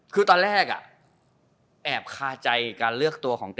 คือตอนแรกแอบคาใจการเลือกตัวของแก